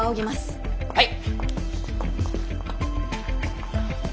はい。